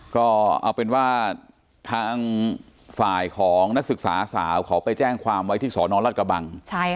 ก็เอาเป็นว่าทางฝ่ายของนักศึกษาสาวเขาไปแจ้งความไว้ที่สอนอรัฐกระบัง